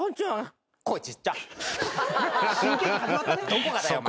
どこがだよお前。